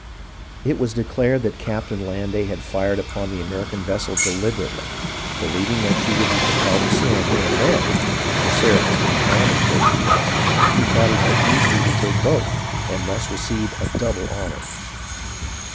It was declared that Captain Landais had fired upon the American vessel deliberately, believing that she would be compelled to sur render, and then, the Serapis being damaged as she was, he thought he might easily retake both and thus receive a double honour.